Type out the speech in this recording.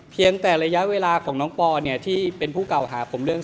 เพียงแต่ระยะเวลาของน้องปอเนี่ยที่เป็นผู้เก่าหาผมเรื่อง